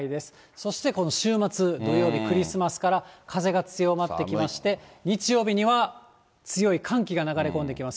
そしてこの週末、土曜日、クリスマスから風が強まってきまして、日曜日には強い寒気が流れ込んできます。